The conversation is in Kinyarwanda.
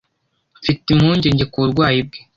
mfite impungenge ku burwayi bwe